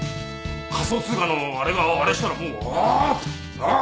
仮想通貨のあれがあれしたらもうあって！